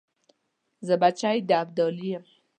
زه بچی د ابدالي یم .